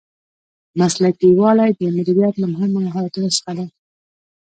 مسلکي والی د مدیریت له مهمو مهارتونو څخه دی.